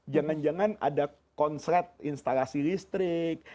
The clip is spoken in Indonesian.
jangan jangan ada konsrat instalasi listrik